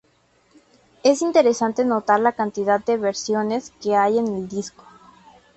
Es interesante notar la cantidad de versiones que hay en el disco.